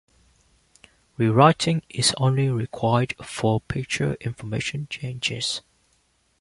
Rewriting is only required for picture information changes.